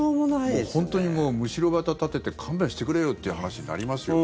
本当にもう、むしろ旗立てて勘弁してくれよっていう話になりますよ。